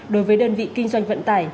đối với đơn vị kinh doanh vận tải